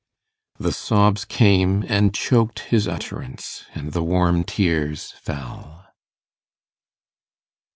The sobs came and choked his utterance, and the warm tears fell.